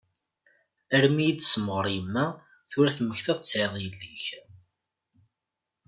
Armi iyi-d-tessemɣer yemma tura temmektaḍ-d tesɛiḍ yelli-k?